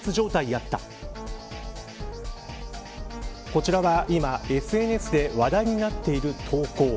こちらは今ＳＮＳで話題になっている投稿。